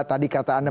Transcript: tadi kata anda